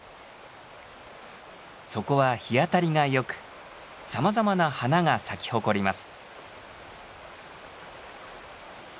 そこは日当たりがよくさまざまな花が咲き誇ります。